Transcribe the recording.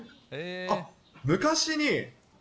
あっ、昔に。